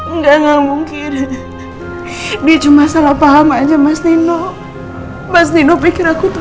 enggak enggak mungkin dia cuma salah paham aja mas dino mas nino pikir aku tuh